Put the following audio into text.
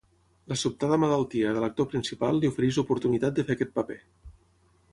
La sobtada malaltia de l'actor principal li ofereix l'oportunitat de fer aquest paper.